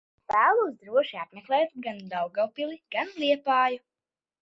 Vēlos droši apmeklēt gan Daugavpili, gan Liepāju.